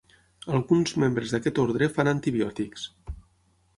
Alguns membres d'aquest ordre fan antibiòtics.